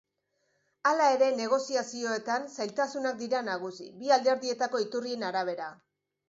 Hala ere, negoziazioetan zailtasunak dira nagusi, bi alderdietako iturrien arabera.